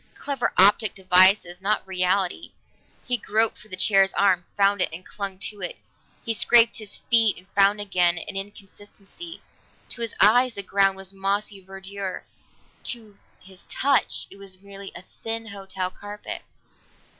Clever optical devices, not reality. He groped for the chair's arm, found it, and clung to it; he scraped his feet and found again an inconsistency. To his eyes the ground was mossy verdure; to his touch it was merely a thin hotel carpet.